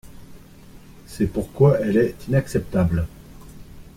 C’est pourquoi elle est inacceptable.